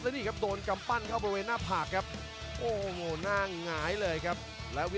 ไปฟังคำตัดสิทธิ์พร้อมรุ้นรางวัลกันครับ